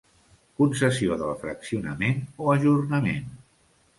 Concessió del fraccionament o ajornament.